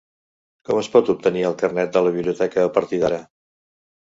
Com es pot obtenir el carnet de la biblioteca a partir d'ara?